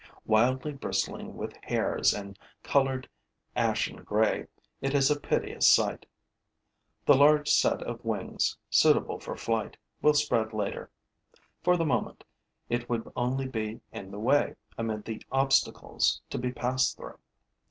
Wildly bristling with hairs and colored ashen gray, it is a piteous sight. The large set of wings, suitable for flight, will spread later. For the moment, it would only be in the way amid the obstacles to be passed through.